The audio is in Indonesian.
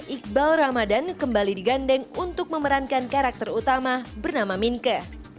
iqbal ramadan kembali digandeng untuk memerankan karakter utama bernama minke